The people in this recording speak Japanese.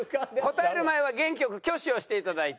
答える前は元気よく挙手をして頂いて。